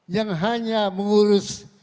yang hanya mengurus